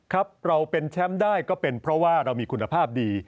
ครับเราเป็นแชมป์ได้ก็เป็นเพราะว่าเรามีคุณภาพดี